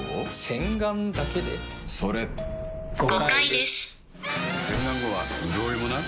洗顔後はうるおいもな。